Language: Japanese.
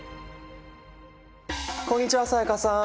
こんにちは才加さん。